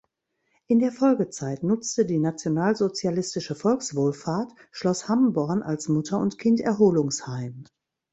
In der Folgezeit nutzte die Nationalsozialistische Volkswohlfahrt Schloss Hamborn als Mutter-und-Kind-Erholungsheim.